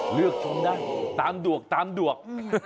เลือกตามดวก